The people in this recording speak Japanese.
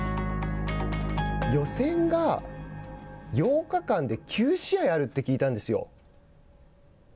予選が８日間で９試合あるって聞いたんですよ。